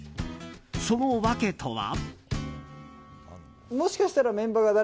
その訳とは。